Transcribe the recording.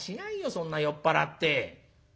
そんな酔っ払って」。